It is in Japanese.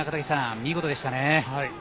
見事でしたね。